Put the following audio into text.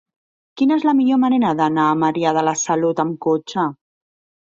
Quina és la millor manera d'anar a Maria de la Salut amb cotxe?